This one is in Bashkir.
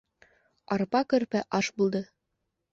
Арпа-көрпә аш булды